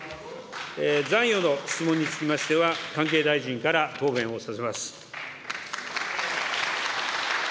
残余の質問につきましては、関係大臣から答弁をさせます。